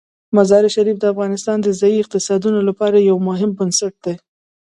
مزارشریف د افغانستان د ځایي اقتصادونو لپاره یو مهم بنسټ دی.